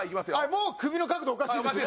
もう首の角度おかしいですよね。